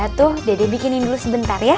yaudah tuh dede bikinin dulu sebentar ya